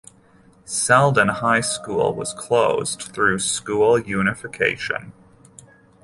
Selden High School was closed through school unification.